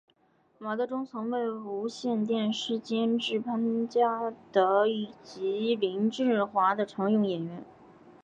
马德钟曾为无线电视监制潘嘉德及林志华的常用演员。